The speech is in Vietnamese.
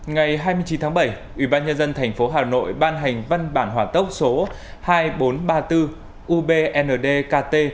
ngày hai mươi chín tháng bảy ubnd tp hà nội ban hành văn bản hỏa tốc số hai nghìn bốn trăm ba mươi bốn ubnd kt